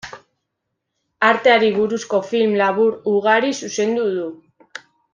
Arteari buruzko film labur ugari zuzendu du.